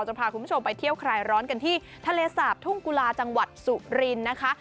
จะพาคุณผู้ชมไปเที่ยวคลายร้อนกันที่ทะเลสาบทุ่งกุลาจังหวัดสุรินทร์นะคะ